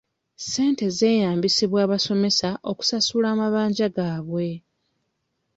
Ssente zeeyambisibwa abasomesa okusasula amabanja gaabwe.